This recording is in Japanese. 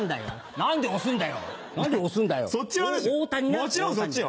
もちろんそっちよ。